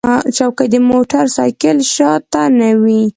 چوکۍ د موټر سایکل شا ته نه وي.